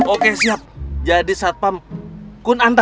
oke siap jadi satpam kunanta